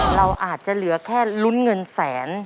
เราอาจจะเหลือแค่ลุ้นเงินแสน